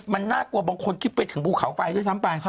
มันน่ากลัวบางคนคิดไปถึงภูเขาไฟด้วยซ้ำไป